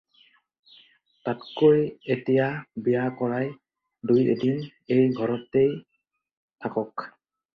তাতকৈ এতিয়া বিয়া কৰাই দুই এদিন এই ঘৰতে থাকক।